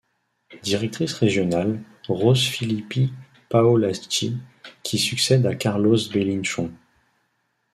Directrice régionale: Rose Filippi Paolacci qui succède à Carlos Bélinchon.